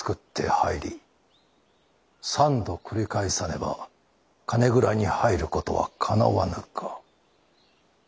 ３度繰り返さねば金蔵に入る事はかなわぬか。